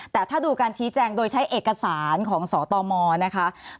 แต่ถ้าดูการชี้แจงโดยใช้เอกสารของสตมนะคะ